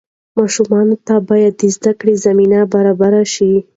ماشومانو ته باید د زدهکړې زمینه برابره شي.